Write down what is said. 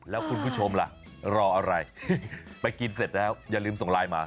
แล้วคุณผู้ชมล่ะรออะไรไปกินเสร็จแล้วอย่าลืมส่งไลน์มา